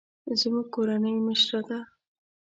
زموږ کورنۍ مشره ده